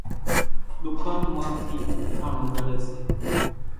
ۮُڪانَ مان ٿِي اٿاڻون زڙيَ سي۔